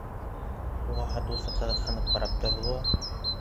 Уға һатыусы ҡыҙыҡһынып ҡарап торҙо ла: